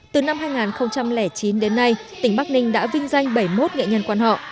từ năm hai nghìn chín đến nay tỉnh bắc ninh đã vinh danh bảy mươi một nghệ nhân quan họ